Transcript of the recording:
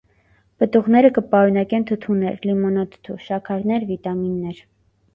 Պտուղները կը պարունակեն թթուներ (լիմոնաթթու), շաքարներ, վիտամիններ։